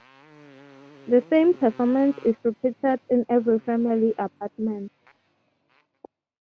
The same performance is repeated in every family apartment.